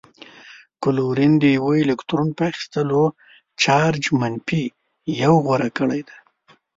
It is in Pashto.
کلورین د یوه الکترون په اخیستلو چارج منفي یو غوره کړی دی.